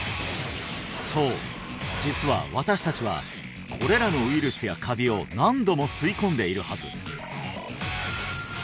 そう実は私達はこれらのウイルスやカビを何度も吸い込んでいるはず